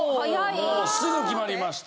もうすぐ決まりました。